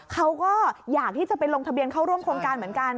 เขาก็อยากที่จะไปลงทะเบียนเข้าร่วมโครงการเหมือนกัน